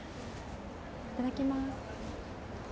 いただきます。